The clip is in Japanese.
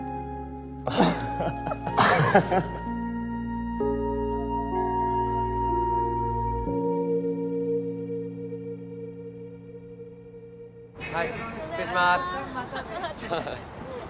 アハハアハハはい失礼します！